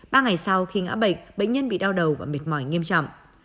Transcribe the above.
ba ngày sau khi ngã bệnh bệnh nhân bị đau đầu và mệt mỏi nghiêm trọng